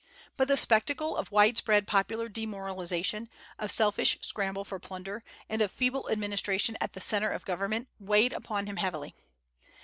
But the spectacle of wide spread popular demoralization, of selfish scramble for plunder, and of feeble administration at the centre of government, weighed upon him heavily."